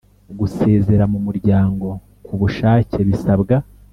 Gusezera mu muryango ku bushake bisabwa